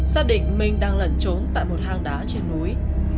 xác định minh đang lẩn trốn tại một hang đá trên núi